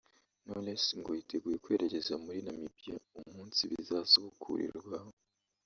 Knowless ngo yiteguye kwerekeza muri Namibia umunsi bizasubukurirwaho